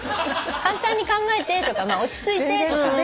簡単に考えてとか落ち着いてとか。